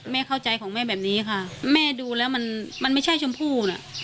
เข้าใจของแม่แบบนี้ค่ะแม่ดูแล้วมันมันไม่ใช่ชมพู่น่ะ